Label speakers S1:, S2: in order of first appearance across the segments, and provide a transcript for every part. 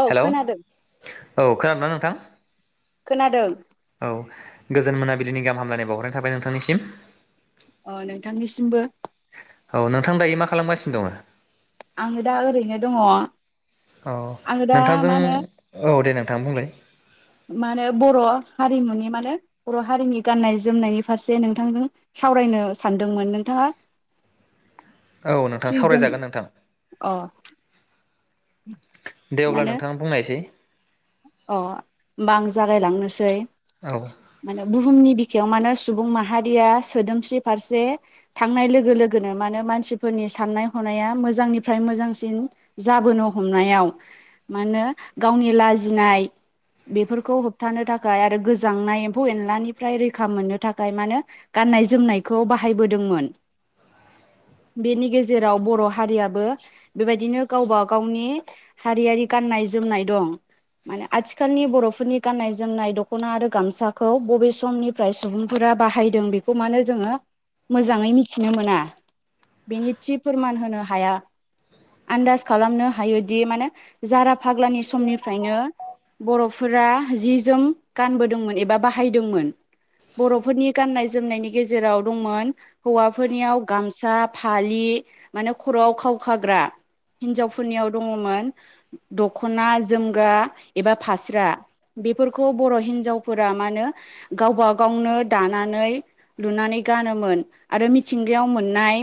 S1: औ
S2: हेलौ
S1: खोनादों।
S2: औ खोनादोंना नोंथां?
S1: खोनादों।
S2: औ गोजोन मोनाबिलिनि गाहाम हामलायनाय बावहरनाय थाबाय नोंथांनिसिम।
S1: अ नोंथांनिसिमबो।
S2: औ नोंथां दाायो मा खालामगासिनो दङ?
S1: आङो दा ओरैनो दङ
S2: औ
S1: आङो दा मा होनो।
S2: थां बुंलाय।
S1: मा होनो बर' हारिमुनि माने बर' हारिनि गाननाय जोमनायनि फारसे नोंथांजों सावरायनो सानदोंमोन नोंथाङा।
S2: औ नोंथां
S1: फ्रि दं
S2: सावरायजागोन नोंथां
S1: अ
S2: दे अब्ला
S1: मानो
S2: नोंथां बुंनायसै।
S1: अ होमबा आं जागायलांनोसै।
S2: औ
S1: माने बुहुमनि बिख खायाव मानो सुबुं माहारिया सोदोमस्रि फारसे थांनाय लोगो लोगोनो मानो मानसिफोरनि साननाय हनाया मोजांनिफ्राय मोजांसिन जाबोनो हमनायाव मा होनो गावनि लाजि नाय बेफोरखौ होबथानो थाखाय आरो गोजांनाय एम्फौ एनलानिफ्राय रैखा मोननो थाखाय मानो गाननाय जोमनायखौ बाहायबोदोंमोन। बेनि गेजेराव बर' हारियाबो बेबायदिनो गावबा गावनि हारियारि गाननाय जोमनाय दं। मानो आथिखालनि बर'फोरनि गाननाय जोमनाय दख'ना आरो गामसाखौ बबे समनिफ्राय सुबुंफोरा बाहायदों बेखौ मानो जोङो मोजाङै मिथिनो मोना? बेनि थि फोरमान होनो हाया आन्दाज खालामनो हायोदि मानो जारा फाग्लानि समनिफ्रायनो बर'फोरा जि जोम गानबोदोंमोन एबा बाहायदोंमोन बर'फोरनि गाननाय जोमनायनि गेजेराव दंमोन हौवाफोरनियाव गामसा फालि मानो खर'आव खावखाग्रा हिनजावफोरनियाव दङमोन दखना जोमग्रा एबा फास्रा बेफोरखौ बर' हिनजावफोरा मानो गावबा गावनो दानानै लुनानै गानोमोन आरो मिथिंगायाव मोननाय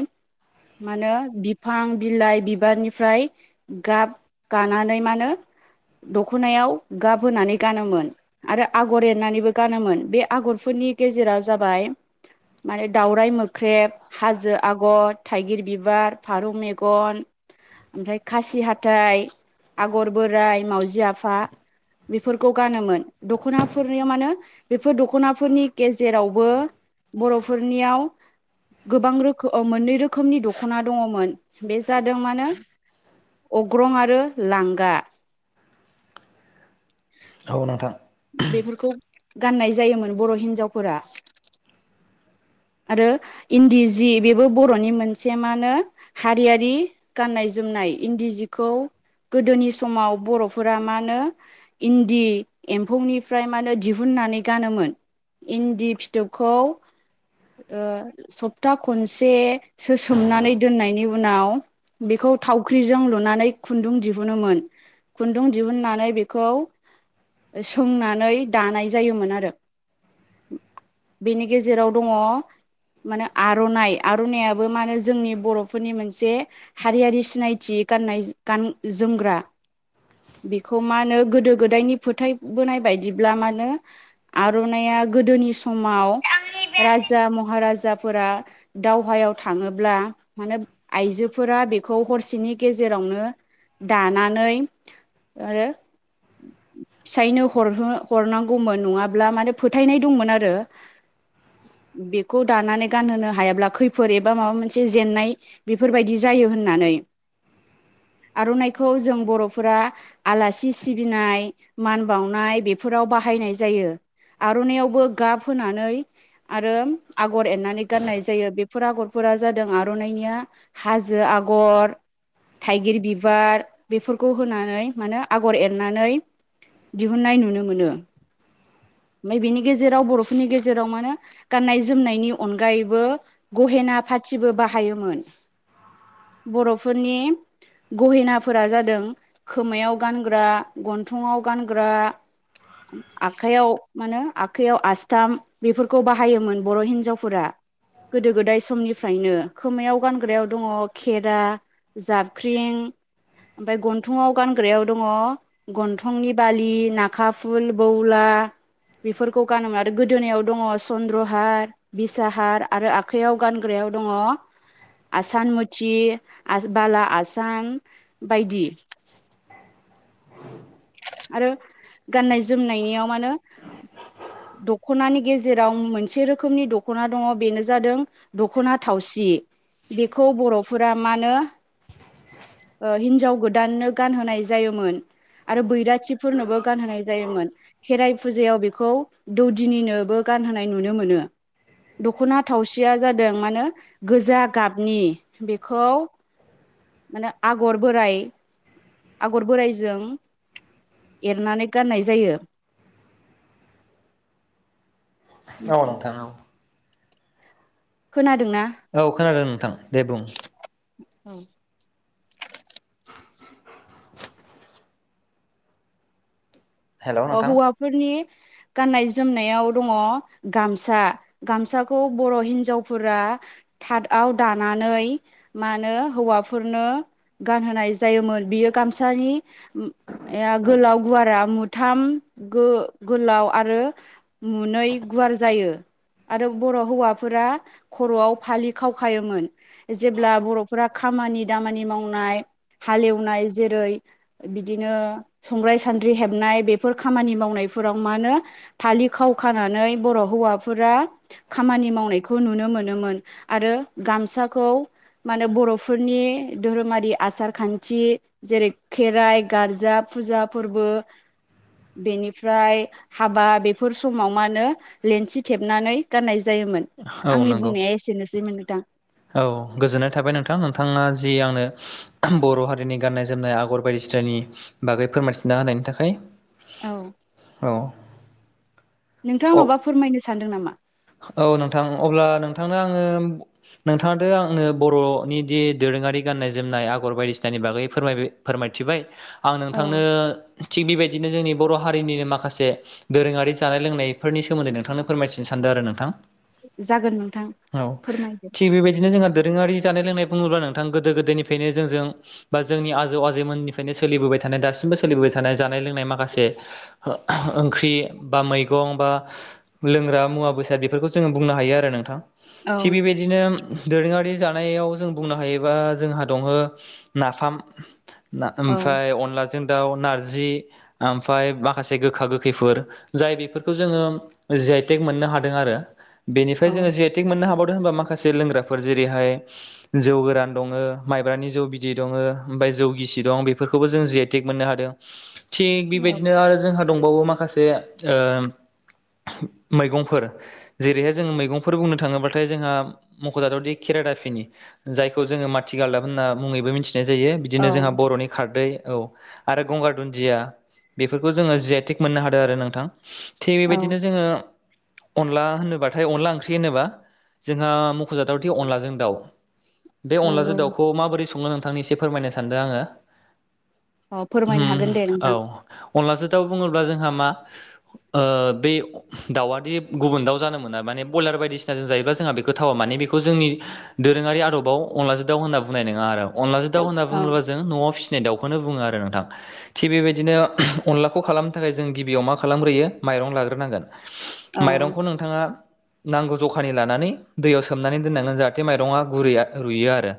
S1: मा होनो बिफां बिलाइ बिबारनिफ्राय गाब गानानै मा होनो दख दख'नायाव गाब होनानै गानोमोन आरो आगर एरनानैबो गानोमोन बे आगरफोरनि गेजेराव जाबाय माने दावराइ मोख्रेब हाजो आगर थाइगिर बिबार फारौ मेगन ओमफ्राय खासि हाथाइ आगर बोराइ मावजि आफ फा बेफोरखौ गानोमोन दख'नाफोरनियाव मानो बेफोर दख'नाफोरनि गेजेरावबो बर'फोरनियाव गोबां रोखोम ओ मोननै रोखोमनि दख'ना दङमोन बे जादों मानो अग्रं आरो लांगा।
S2: औ नोंथां।
S1: बेफोरखौ गाननाय जायोमोन बर' हिन्जावफोरा आरो इन्दि जि बेबो बर'नि मोनसे मा होनो हारियारि गाननाय जोमनाय इन्दि जिखौ गोदोनि समाव बर'फोरा मा होनो इन्दि एम्फौनिफ्राय मानो दिहुननानै गानोमोन इन्दि फिथोबखौ ओ सप्ता खनसेसो सोमनानै दोननायनि उनाव बेखौ थावख्रिजों लुनानै खुन्दुं दिहुनोमोन खुन्दुं दिहुननानै बेखौ सोंनानै दानाय जायोमोन आरो बेनि गेजेराव दङ मानो आर'नाइ आर'नायाबो मा होनो जोंनि बर'फोरनि मोनसे हारियारि सिनायथि गाननाय गान जोमग्रा बेखौ मा होनो गोदो गोदायनि फोथायबोनाय बायदिब्ला मा होनो आर'नाया गोदोनि समाव राजा महाराजा जाफोरा दावहायाव थाङोब्ला मानो आइजोफोरा बेखौ हरसेनि गेजेरावनो दानानै आरो फिसायनो हरहो हरनांगौमोन नङाब्ला मानो फोथायनाय दंमोन आरो बेखौ दानानै गानहोनो हायाब्ला खैफोद एबा माबा मोनसे जेननाय बेफोरबायदि जायो होननानै आर'नाइखौ जों बर'फोरा आलासि सिबिनाय मान बानाय बेफोराव बाहायनाय जायो आर'नायावबो गाब होनानै आरो आगर एरनानै गाननाय जायो बेफोर आगरफोरा जादों आर'नाइनिया हाजो आगर थाइगिर बिबार बेफोरखौ होनानै मा होनो आगर एरनानै दिहुननाय नुनो मोनो ओमफ्राय बेनि गेजेराव बर'फोरनि गेजेराव मान गाननाय जोमनायनि अनगायैबो गहेना फाथिबो बाहायोमोन बर'फोरनि गहेनाफोरा जादों खोमायाव गानग्रा गन थङाव गानग्रा आखाइयाव मा होनो आखाइयाव आस्थाम बेफोरखौ बाहायोमोन बर' हिनजावफोरा गोदो गोदाय समनिफ्रायनो खोमायाव गानग्रायाव दङ खेरा जाबख्रिं ओमफ्राय गन्थङाव गानग्रायाव दङ गन्थंनि बालि नाखा फुल बौला बेफोरखौ गानोमोन आरो गोदोनायाव दङ चन्द्रहार बिसाहार आरो आखाइयाव गानग्रायाव दङ आसान मुथि आरो बाला आसान बायदि आरो गाननाय जोमनायनियाव माहोनो दख'नानि गेजेराव मोनसे रोखोमनि दख'ना दङ बेनो जादों दख'ना थावसि बेखौ बर'फोरा माहोनो ओ हिनजाव गोदाननो गानहोनाय जायोमोन। आरो बैराथिफोरनोबो गानहोनाय जायोमोन खेराइ फुजायाव बेखौ दौदिनिनोबो गानहोनाय नुनो मोनो दख'ना थावसिया जादों मा होनो गोजा गाबनि बेखौ माहोनो आगर बोराइ आगर बोराइजों एरनानै गाननाय जायो।
S2: औ नोंथां औ।
S1: खोना
S2: औ खोनादों नोंथां दे बुं
S1: औ
S2: हेलौ
S1: औ
S2: नोंथां
S1: हौवाफोरनि गाननाय जोमनायाव दङ गामसा गामसाखौ बर' हिनजावफोरा थाथआव दानानै मा होनो हौवाफोरनो गानहोनाय जायोमोन बियो गामसानि या गोलाव गुवारा मु थाम गो गोलाव आरो मुनै गुवार जायो आरो बर' हौवाफोरा खर'आव फालि खावखायोमोन जेब्ला बर'फोरा खामानि दामानि मावनाय हालेवनाय जेरै बिदिनो संग्राय सान्द्रि हेबनाय बेफोर खामानि मावनायफोराव मा होनो फालि खाव खानानै बर' हौवाफोरा खामानि मावनायखौ नुनो मोनोमोन आरो गामसाखौ मा होनो बर'फोरनि धोरोमारि आसार खान्थि जेरै खेराइ गार्जा फुजा फोरबो बेनिफ्राय हाबा बेफोर समाव मा होनो लेन्थि थेबनानै गाननाय जायोमोन।
S2: औ
S1: आंनि
S2: नंगौ
S1: बुंनाया एसेनोसैमोन नोथां।
S2: औ गोजोननाय थाबाय नोंथां नोंथाङा जि आंनो बर' हारिनि गाननाय जोमनाय आगर बायदिसिनानि बागै फोरमायथिना होनायनि थाखाय।
S1: औ नोंथाङा
S2: औ
S1: माबा फोरमायनो सानदों नामा?
S2: औ नोंथां अब्ला नोंथांनो आङो नोंथाङाथ' आंनो बर'निदि दोरोङारि गाननाय जोमनाय आगर बायदिसिनानि बागै फोरमाय फोरमायथिबाय आं
S1: औ
S2: नोंथांनो थिग बेबायदिनो जोंनि बर' हारिनि माखासे दोरोङारि जानाय लोंनायफोरनि सोमोन्दै नोंथांनो फोरमायथिनो सा सान्दों आरो नोंथां।
S1: जागोन नोंथां
S2: औ
S1: फोरमायदो
S2: थिग बेबायदिनो जों दो दोरोङारि जानाय लोंनाय बुङोब्ला नोंथां गोदो गोदायनिफ्रायनो जोंजों बा जोंनि आजौ आजैमोननिफ्रायनो सोलिबोबाय थानाय दासिमबो सोलिबोबाय थानाय जानाय लोंनाय माखासे ओंख्रि बा मैगं बा लोंग्रा मुवा बेसाद बेफोरखौ जोङो बुंनो हायो आरो नोंथां।
S1: औ
S2: थिग बेबायदिनो दोरोङारि जा नायाव जों बुंनो हायोबा जोंहा दङ नाफाम। ना
S1: औ
S2: ओमफ्राय अनला जों दाउ नारजि ओमफाय माखासे गोखा गोखैफोर जाय बिफोरखौ जोङो जि आइ तेग मोननो हादों आरो। बेनिफाय जोङो
S1: औ
S2: जि आइ टेग मोननो हाबाव नो होनबा माखासे लोंग्राफोर जेरैहाय जौ गोरान दङ माइब्रानि जौ बिदै दङ ओमफ्राय जौ गिसि दं बेफोरखौबो जों जि आइ तेग मोननो हादों। थिग
S1: औ
S2: बेबायदिनो आरो जोंहा दंबावो माखासे ओ मैगंफोर जेरैहाय जोङो मैगंफोर बुंनो थाङोब्लाथाय जोंहा मख'जाथावदि केेरादाफिनि जायखौ जोङो माथि गालदाब होनना मुङैबो मिथि थिनाय जायो बिदिनो जोंहा
S1: औ
S2: बर'नि खारदै। औ आरो गंगार दुन्दिया बेफोरखौ जोङो जि आइ तेग मोननो हादों आरो नोंथां। थिग
S1: औ
S2: बेबायदिनो जोङो। अनला होनोबाथाय अनला ओंख्रि होनोबा जोंहा मख'जाथावदि अनलाजों दाउ। बे
S1: नंगौ
S2: अनलाजों दाउखौ माबोरै स [unintelligible] नोंथांनो एसे फोरमायनो सानदों आङो।
S1: अ फोरमायनो हागोन दे नोंथां।
S2: अनलाजो दाउ बुङोब्ला जोंहा मा ओ बे अ दाउआदि गुबुन दाउ जानो मोना माने बयलार बायदिसिना जों जायोबा जोंहा बेखौ थावा माने बेखौ जोंनि दोरोङारि आरोदबाव अनलाजों दाउ होनना बुंनाय नङा आरो। अनलाजों दउ होनना
S1: औ
S2: बुङोबा जों न'आव फि - फिनाय दाउखौनो बुङो आरो नोंथां थिग बेबायदिनो अनलाखौ खालामनो थाखाय जों गिबियाव मा खालामग्रोयो माइरं लाग्रोनांगोन।
S1: औ
S2: माइरंखौ नोंथाङा। नांगौ जखानि लानानै दैयाव सोमनानै दोननांगोन जाहाथे माइरङा गुरैया रुयो आरो।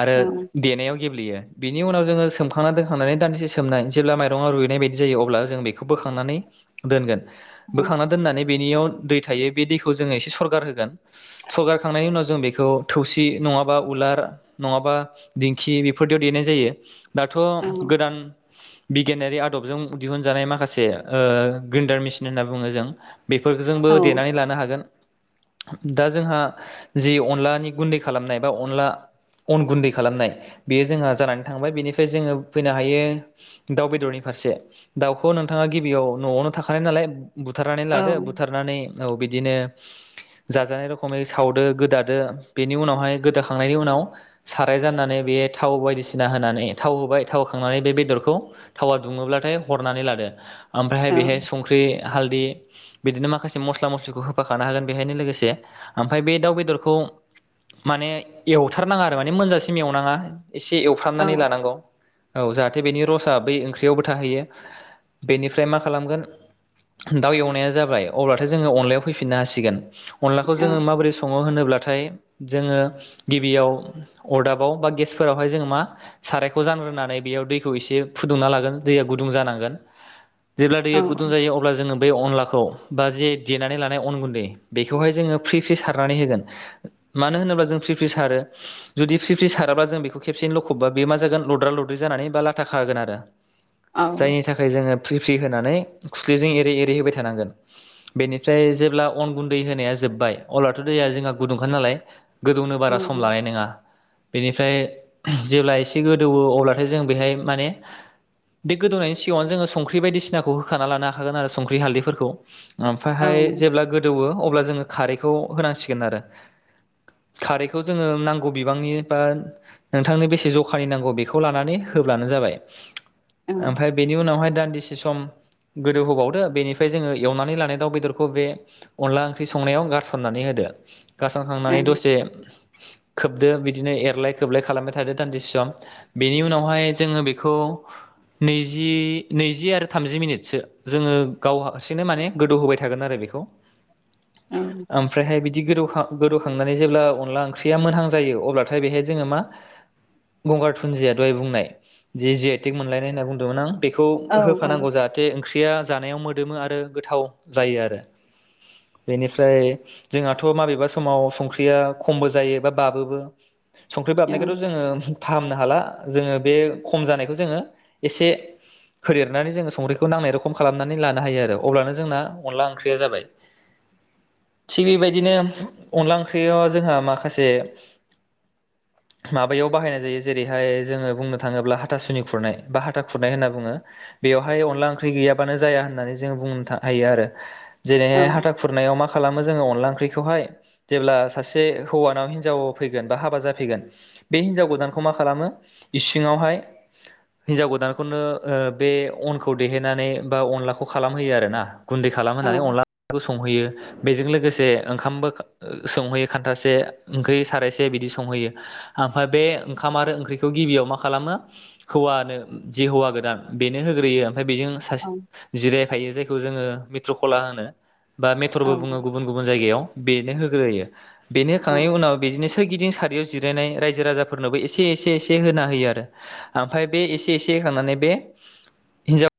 S2: आरो
S1: औ
S2: देनायाव। गेब्लेयो बिनि उनाव जोङो सोमखांनानै दोनखांनानै दान्दिसे सोमनानै जेब्ला माइरंआ रुइनाय बायदि जायो अब्ला जों बेखौ बोखांनानै दोनगोन।
S1: औ
S2: बोखांना बेनियाव दै थायो बे दैखौ जोङो एसे सरगार होगोन सरगारखांनायनि उनाव जों बेखौ थौसि नङाबा उलार नङाबा दिंखि बेफोरदियाव देनाय जायो। दाथ'
S1: औ
S2: गोदान। बिगियानारि आदबजों दिहुनजानाय माखासे ओ ग्रेन्डार मेसिन होनना बुङो जों। बेफोरजोंबो
S1: औ
S2: देनानै लानो हागोन। दा जोंहा जि अनलानि गुन्दै खालामनाय बा अनला अन गुन्दै खालामनाय बेयो जोंहा जानानै थांबाय बेनिफ्राय जोङो फैनो हायो दाउ बेदरनि फारसे दाउखौ नोंथाङा गिबियाव न'आवनो थाखानाय नालाय बु थारनानै
S1: औ
S2: लादो बुथारनानै औ बिदिनो जाजानाय रखमै सावदो गोदादो बेनि उनावहाय गोदाखांनायनि उनाव साराय जाननानै बे थाव बायदिसिना होनानै थाव होबाय थाव होखांनानै बे बेदरखौ थावा दुङोब्लाथाय हरनानै लादो। ओमफ्रायहाय बेहाय संख्रि हालदि। बिदिनो माखासे मस्ला मस्लिखौ होफाखानो हागोन बेहायनो लोगोसे ओमफ्राय बे दाउ बेदरखौ माने एवथारनाङा आरो माने मोनजासिम एवनाङा। एसे
S1: औ
S2: एवफ्रामनानै लानांगौ औ जाहाथे बेनि रसा बै ओंख्रियावबो थाहैयो बेनिफ्राय मा खालामगोन दाउ एवनाया जाबाय अब्लाथाय जोङो अनलायाव फैफिननो हासिगोन अनलाखौ जोङो माबोरै सङो होनोब्ला नाथाय जोङो गिबियाव अरदाबाव बा गेसफोरावहाय जोङो मा सारायखौ जानग्रोनानै बेयाव दैखौ एसे फुदुंना लागोन दैया गुदुं जानांगोन जेब्ला दैया गुदुं जायो अब्ला जोङो बे अनलाखौ बा जे देनानै लानाय अन गुन्दै बेखौहाय जोङो फ्रि फ्रि सारनानै होगोन मानो होनोब्ला जों फ्रि फ्रि सारो जुदि फ्रि फ्रि साराब्ला जों बेखौ खेबसेनो लखबा बे मा जागोन लद्रा लद्रि जानानै बा लाथााख होगोन आरो जायनि थाखाय जोङो फ्रि फ्रि होनानै खुसलिजों एरै एरै दै होबाय थानांगोन बेनिफ्राय जेब्ला अन गुन्दै होनाया जोब्बाय अब्लाथ' दैया जोंहा गुदुंखा नालाय गोदौनो बारा सम लानाय नङा बेनिफ्राय जेब्ला एसे गोदौवो अब्लाथाय जों बेहाय माने बे गोदौनायनि सिगाङावनो जोङो संख्रि बायदिसिनाखौ होखान लानो हागोन आरो संख हालदैफोरखौ ओमफ्रायहाय जेब्ला गोदौवो अब्ला जोङो खारैखौ होनांसिगोन आरो खारैखौ जोङो नांगौ बिबांनि बा नोंथांनो बेसे जखानि नांगौ बेखौ लानानै होब्लानो जाबाय ओमफ्राय बेनि उनावहाय दान्दिसे सम गोदौ होबावदो बेनिफ्राय जोङो एवनानै लानाय दाउ बेदरखौ बे अनला ओंख्रि संनायाव गारसननानै होदो गारसन खांनानै दसे खोबदो बिदिनो एरलाय खोबलाय खालामबाय थादो दान्दि सम बिनि उनावहाय जोङो बेखौ नैजि नैजि आरो थामजि मिनिटसो जोङो गावा हारसिंनो माने गोदौ होबाय थागोन आरो बेखौ ओमफ्रायहाय बिदि गोदावहा गोदौखांनानै जेब्ला अनला ओंख्रिया मोनहां जायो अब्लाथाय बेहाय जोङो मा गंगार थुनजिया दहाय बुंनाय जि जि आइ टेक मोनलायनाय होनना बुंदोंमोन आं बेखौ होफानांगौ जाहाथे ओंख्रि जानायाव मोद मोदोमो आरो गोथाव जायो आरो बेनिफ्राय जोंहाथ' माबेबा समाव संख्रिया खमबो जायो बा बाबोबो संख्रि बाबनायखौथ' जोङो फाहामनो हाला जोङो बे खम जानायखौ जोङो एसे होदेरनानै जोङो संख्रिखौ नांनाय रखम खालामनानै लानो अब्लानो जोंना अनला ओंख्रि या जाबाय थिग बेबायदिनो अनला ओंख्रियाव जोंहा माखासे माबायाव बाहायनाय जायो जेरैहाय जोङो बुंनो थाङोब्ला हाथा सुनि खुरनाय बा हाथा खुरनाय होनना बुङो बेयावहाय अनला ओंख्रि गैयाबानो जाया होननानै जोङो बुंनो थां हायो आरो जेरैहाय हाथा खुरनायाव मा खालामो जोङो अनला खौहाय जेब्ला सासे हौवानाव हिनजाव फैगोन बा हाबा जाफैगोन बे हिनजाव गोदान मा‌ खालामो इसिंआव हाय हिनजाव गोदान खौनो ओ बे अनखौ देहोनानै बा अनलाखौ खौ खालामहोयो आरो ना गुन्दै खालाम होननानै अनला संहोयो बेजों लोगोसे ओंखामबो संहैयो खान्थासे ओंख्रि सारायसे बिदि संहोयो ओमफ्राय बे ओंखाम आरो ओंख्रिखौ गिबियाव मा खालामो हौवानो जि हौवा गोदान बेनो होग्रोयो ओमफाय बेजों सासे जिरायफायो जायखौ जोङो मिट्रकला होनो। बा मेटरबो
S1: औ
S2: बुङो
S1: औ
S2: गुबुन गुबुन जायगायाव। बेनो होग्रोयो। बेनो
S1: औ
S2: होखांनायनि उनाव बिजोंनो सोरगिदिं सार बेयाव जिरायनाय रायजो राजाफोरनोबो एसे एसे एसे होना होयो आरो ओमफ्राय बे एसे एसे होखांनानै बे हिनजाव।